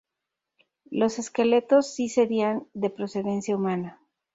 Los esqueletos sí serían de procedencia humana.